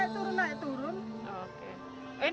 naik turun naik turun